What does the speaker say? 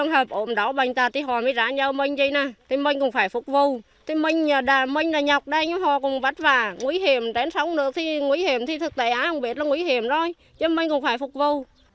học đây nhưng họ cũng vất vả nguy hiểm đến sống nữa thì nguy hiểm thì thực tế không biết là nguy hiểm rồi chứ mình cũng phải phục vụ